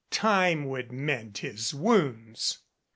Time would mend his wounds.